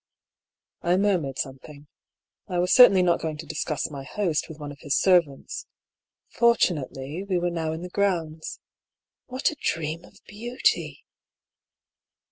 " I murmured something. I was certainly not going to discuss my host with one of his servants. Fortunate ly, we were now in the grounds. What a dream of beauty